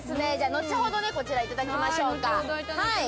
後ほど、こちら、いただきましょうか。